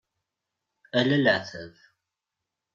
Ala leεtab.